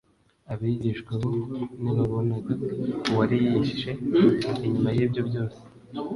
abigishwa bo ntibabonaga uwari yihishe inyuma y’ibyo byose